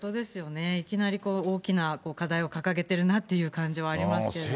いきなり大きな課題を掲げてるなという感じはありますけど。